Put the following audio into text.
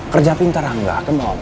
kerja pintar angga